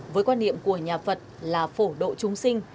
với quan niệm của nhà phật là phổ độ chúng sinh